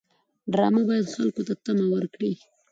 ډرامه باید خلکو ته تمه ورکړي